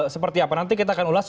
seperti apa nanti kita akan ulas